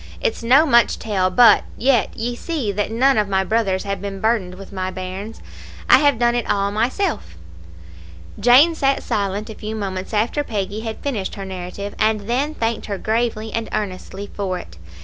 It's no much tell; but yet, ye see that none of my brothers have been burdened with my bairns. I have done it all myself." Jane sat silent a few moments after Peggy had finished her narrative, and then thanked her gravely and earnestly for it.